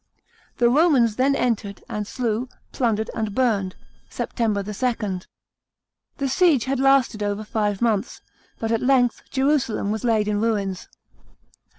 The Romans then entered ; and slew, plundered, and burned (September 2nd). The siege had lasted over five months, but at length Jerusalem was laid in ruins.